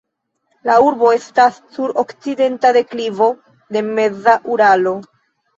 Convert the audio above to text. La urbo estas sur okcidenta deklivo de meza Uralo.